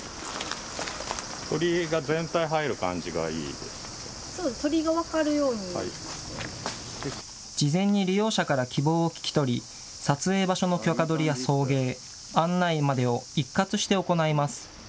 鳥居が全体、そうですね、事前に利用者から希望を聞き取り、撮影場所の許可取りや送迎、案内までを一括して行います。